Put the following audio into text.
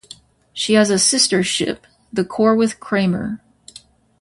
She has a sister ship, the "Corwith Cramer".